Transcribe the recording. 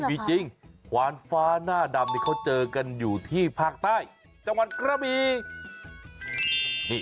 มีจริงขวานฟ้าหน้าดำเขาเจอกันอยู่ที่ภาคใต้จังหวัดกระบี